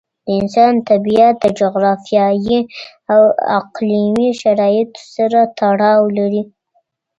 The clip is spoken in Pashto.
د انسان طبیعت د جغرافیایي او اقليمي شرایطو سره تړاو لري.